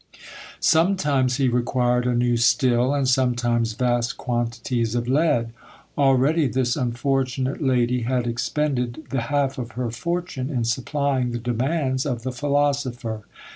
Sometimes he required a new still, and sometimes vast quantities of lead. Already this unfortunate lady had expended the half of her fortune in supplying the demands of the philosopher.